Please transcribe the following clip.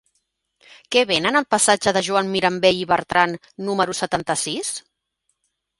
Què venen al passatge de Joan Mirambell i Bertran número setanta-sis?